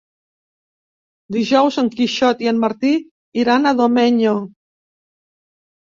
Dijous en Quixot i en Martí iran a Domenyo.